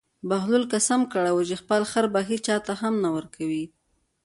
بهلول قسم کړی و چې خپل خر به هېچا ته هم نه ورکوي.